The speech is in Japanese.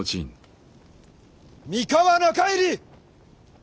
三河中入り！